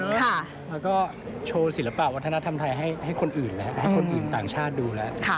แล้วก็โชว์ศิลปะวัฒนธรรมไทยให้คนอื่นต่างชาติดูแล้ว